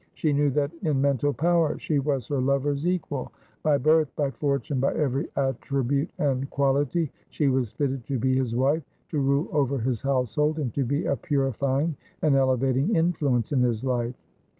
She knew that in mental power she was her lover's equal ; by birth, by fortune, by every attribute and quality, she was fitted to be his wife, to rule over his household, and to be a purifying and elevating influence in his life.